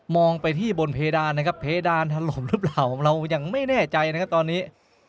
ไปที่บนเพดานนะครับเพดานถล่มหรือเปล่าเรายังไม่แน่ใจนะครับตอนนี้